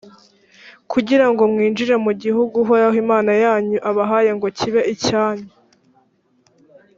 kugira ngo mwinjire mu gihugu, uhoraho, imana yanyu, abahaye ngo kibe icyanyu.